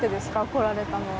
来られたのは。